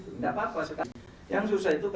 yang susah itu kalau nanti begitu diundangkan lalu ditutup